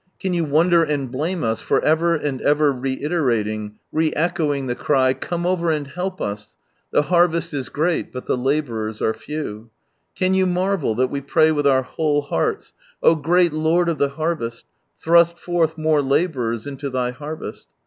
Can you wonder and blame us for ever and ever reiterating, re echoing the. cry "Come over atid help ub! The harvest is great, but the labourers are few "? Can you marvel that we pray with our whole hearts, " Oh great Lord of the harvest, thrust forth more labourers into Thy harvest"?